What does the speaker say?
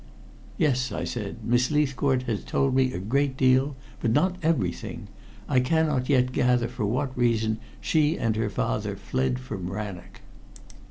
"Yes," I said, "Miss Leithcourt has told me a great deal, but not everything. I cannot yet gather for what reason she and her father fled from Rannoch."